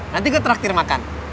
nanti gue traktir makan